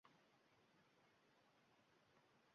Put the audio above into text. Shukr qilsak, Alloh bundan ham ziyoda qilishi mumkin